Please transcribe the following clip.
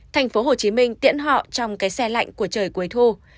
thành phố hồ chí minh tiễn họ trong cái xe lạnh của trời cuối thu